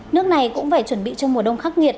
nước này cũng phải chuẩn bị cho mùa đông khắc nghiệt